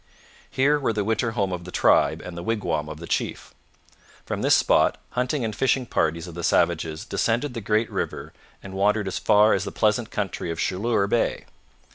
Here were the winter home of the tribe and the wigwam of the chief. From this spot hunting and fishing parties of the savages descended the great river and wandered as far as the pleasant country of Chaleur Bay.